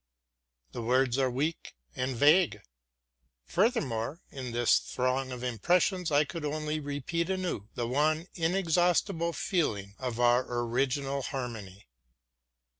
The words are weak and vague. Furthermore, in this throng of impressions I could only repeat anew the one inexhaustible feeling of our original harmony.